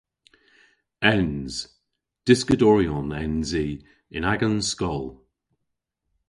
Ens. Dyskadoryon ens i yn agan skol.